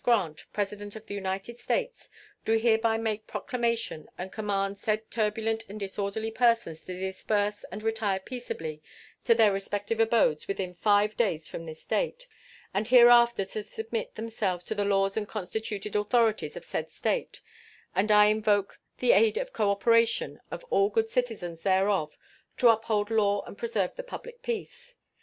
Grant, President of the United States, do hereby make proclamation and command said turbulent and disorderly persons to disperse and retire peaceably to their respective abodes within five days from this date, and hereafter to submit themselves to the laws and constituted authorities of said State; and I invoke the aid and cooperation of all good citizens thereof to uphold law and preserve the public peace.